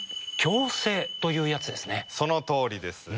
そのとおりです。